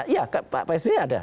iya pak sby ada